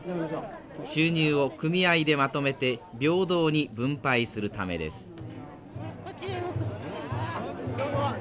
収入を組合でまとめて平等に分配するためです。